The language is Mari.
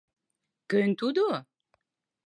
Кӧн тудо?